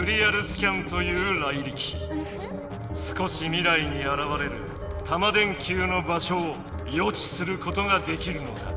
少し未来にあらわれるタマ電Ｑの場所を予知することができるのだ。